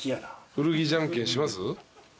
古着じゃんけんします？